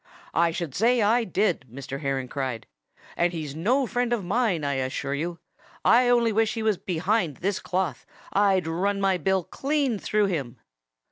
"I should say I did!" Mr. Heron cried. "And he's no friend of mine, I assure you. I only wish he was behind this cloth! I'd run my bill clean through him!"